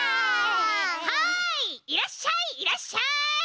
はいいらっしゃいいらっしゃい！